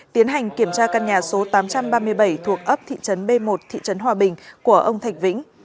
tiến hành kiểm tra căn nhà số tám trăm ba mươi bảy thuộc ấp thị trấn b một thị trấn hòa bình của ông thạch vĩnh